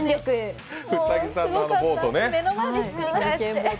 すごかった目の前でひっくり返って。